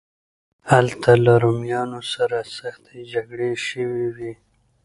هلته له رومیانو سره سختې جګړې شوې وې.